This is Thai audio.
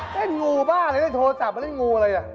เล่นงูบ้าอะไรได้โทรจับมาเล่นงูอะไร